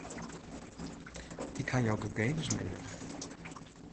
Ik ha jo gegevens nedich.